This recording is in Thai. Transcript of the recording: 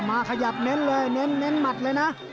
มาขยับเน้นเลยเน้นหมัดเลยนะ